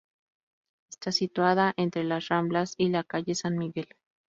Está situada entre las Ramblas y la Calle San Miguel.